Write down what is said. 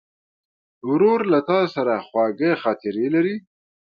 ورور له تا سره خواږه خاطرې لري.